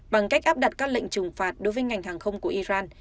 bằng cách áp đặt các lệnh trừng phạt đối với ngành hàng không của iran